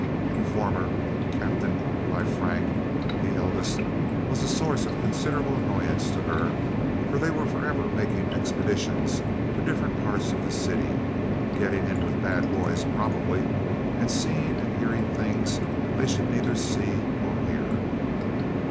The former, captained by Frank, the eldest, were a source of considerable annoyance to her, for they were forever making expeditions to different parts of the city, getting in with bad boys, probably, and seeing and hearing things they should neither see nor hear.